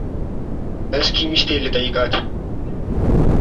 እስኪ ሚስቴን ልጠይቃት፡፡